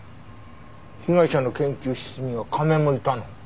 被害者の研究室には亀もいたの？